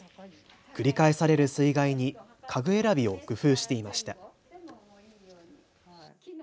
繰り返される水害に家具選びを工夫していました。